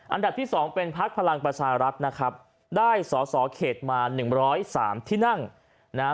อันดับที่๒เป็นภักดิ์พลังประชารัฐนะครับได้สอสอเขตมา๑๐๓ที่นั่งนะฮะ